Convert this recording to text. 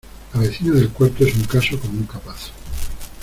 La vecina del cuarto es un caso como un capazo.